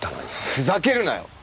ふざけるなよ！